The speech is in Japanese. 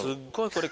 これ。